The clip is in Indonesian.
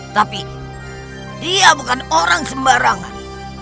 tapi dia bukan orang sembarangan